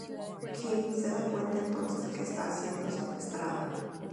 Kim se da cuenta entonces que está siendo secuestrada.